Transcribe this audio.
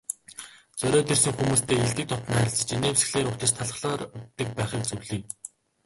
Зориод ирсэн хүмүүстэй эелдэг дотно харилцаж, инээмсэглэлээр угтаж, талархлаар үддэг байхыг зөвлөе.